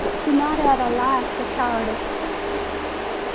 Do not add a lie to cowardice."